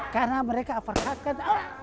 karena mereka apakah kan